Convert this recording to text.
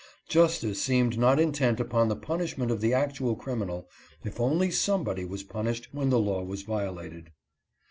Justice seemed not intent upon the punishment of the actual criminal, if only somebody was punished when the law was violated.